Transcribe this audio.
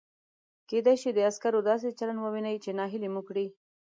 کېدای شي د عسکرو داسې چلند ووینئ چې نهیلي مو کړي.